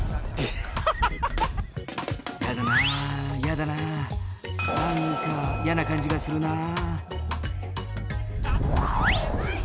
やだなー、やだなー、なんか嫌な感じがするなー。